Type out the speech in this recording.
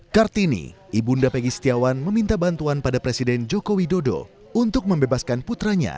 kartini ibunda pegi setiawan meminta bantuan pada presiden joko widodo untuk membebaskan putranya